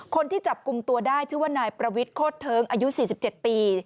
คนที่จับกลุ่มตัวได้ชื่อว่านายประวิทย์โคตรเทิงอายุ๔๗ปี